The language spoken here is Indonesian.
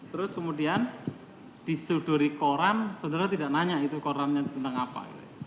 terus kemudian disuduri koran saudara tidak nanya itu korannya tentang apa